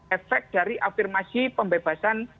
efek dari afirmasi pembebasan